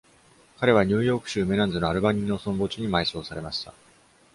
彼は、ニューヨーク州メナンズのアルバニー農村墓地に埋葬されました。